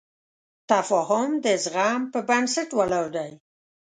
تفاهم د زغم په بنسټ ولاړ دی.